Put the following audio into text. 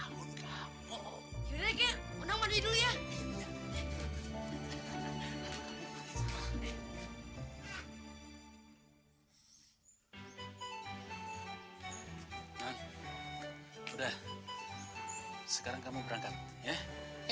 sini sini masuk sini